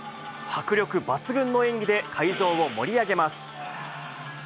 迫力抜群の演技で会場を盛り上げます。